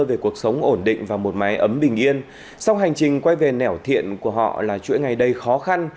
về cuộc sống ổn định và một mái ấm bình yên song hành trình quay về nẻo thiện của họ là chuỗi ngày đầy khó khăn